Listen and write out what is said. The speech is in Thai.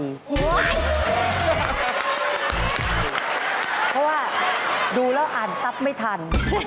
เพราะว่าดูแล้วอ่านทรัพย์ไม่ทัน